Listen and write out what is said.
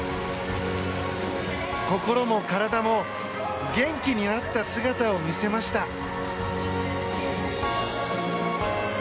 心も体も元気になった姿を見せました。